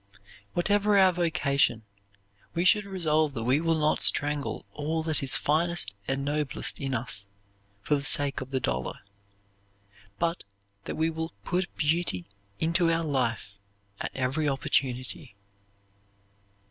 Whatever our vocation, we should resolve that we will not strangle all that is finest and noblest in us for the sake of the dollar, but that we will put beauty into our life at every opportunity.